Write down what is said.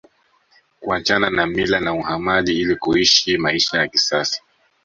Kuachana na mila ya uhamaji ili kuishi maisha ya kisasa